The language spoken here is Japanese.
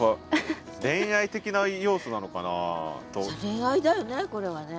恋愛だよねこれはね。